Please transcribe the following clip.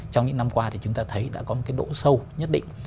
trong những năm qua chúng ta thấy đã có độ sâu nhất định